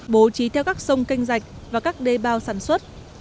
bố trí theo các sông kênh dạch và các đê bao sản xuất